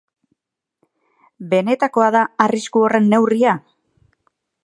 Benetakoa da arrisku horren neurria?